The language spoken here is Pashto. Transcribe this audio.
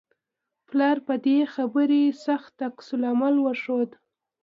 پلار په دې خبرې سخت عکس العمل وښود